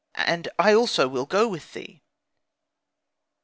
And I also will go with thee.